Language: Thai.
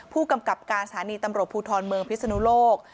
ผู้กำกับการสถานีตำรวจภูทรเมืองพิศนุโลก